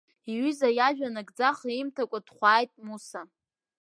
Иҩыза иажәа анагӡаха имҭакәа дхәааит Муса.